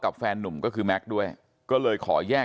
ตรของหอพักที่อยู่ในเหตุการณ์เมื่อวานนี้ตอนค่ำบอกให้ช่วยเรียกตำรวจให้หน่อย